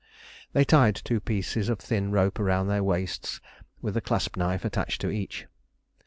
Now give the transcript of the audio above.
They tied two pieces of thin rope round their waists with a clasp knife attached to each.